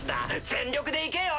全力でいけよ！